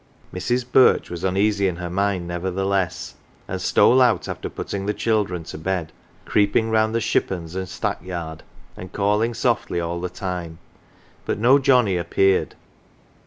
Mrs. Birch was uneasy in her mind, nevertheless, and stole out after putting the children to bed; creeping round the shippons and stack yard, and calling softly all the time but no Johnny appeared.